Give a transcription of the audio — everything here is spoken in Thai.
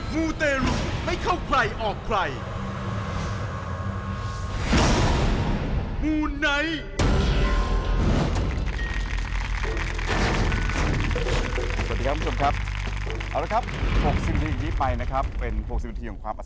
มูไนท์